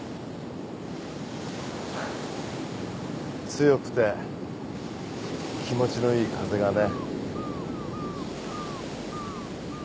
強くて気持ちのいい風がね。